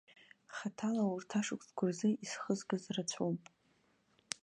Хаҭала арҭ ашықәсқәа рзы исхызгаз рацәоуп.